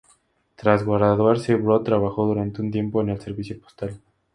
Tras graduarse, Brod trabajó durante un tiempo en el servicio postal.